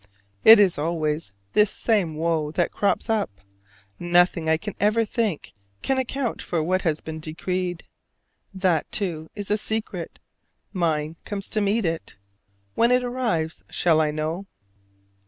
It is always this same woe that crops up: nothing I can ever think can account for what has been decreed. That too is a secret: mine comes to meet it. When it arrives shall I know?